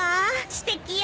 すてきよ。